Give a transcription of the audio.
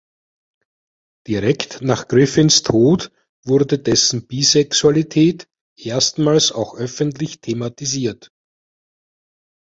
Direkt nach Griffins Tod wurde dessen Bisexualität erstmals auch öffentlich thematisiert.